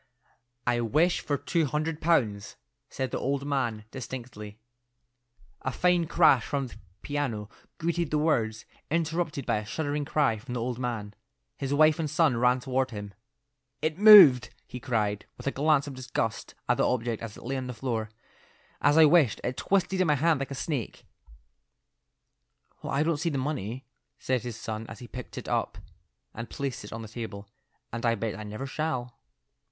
"I wish for two hundred pounds," said the old man distinctly. A fine crash from the piano greeted the words, interrupted by a shuddering cry from the old man. His wife and son ran toward him. "It moved," he cried, with a glance of disgust at the object as it lay on the floor. "As I wished, it twisted in my hand like a snake." "Well, I don't see the money," said his son as he picked it up and placed it on the table, "and I bet I never shall."